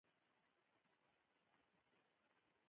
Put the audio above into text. هغه وویل: ګوره بریدمنه، تاسي په دې مکلف یاست.